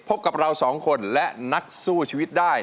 พบกับเราสองคนและนักสู้ชีวิตได้